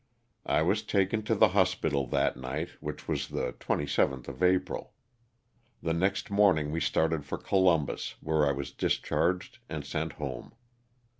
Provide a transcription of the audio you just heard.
I was taken to the hospital that night, which was the 27th of April. The next morning we started for Columbus where I was discharged and sent home.